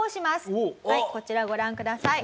こちらご覧ください。